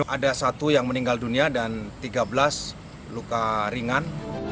ada satu yang meninggal dunia dan tiga belas luka ringan